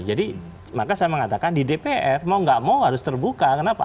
jadi maka saya mengatakan di dpf mau nggak mau harus terbuka kenapa